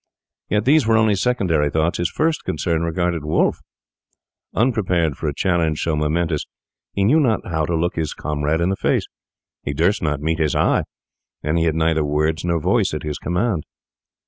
Yet these were only secondary thoughts. His first concern regarded Wolfe. Unprepared for a challenge so momentous, he knew not how to look his comrade in the face. He durst not meet his eye, and he had neither words nor voice at his command.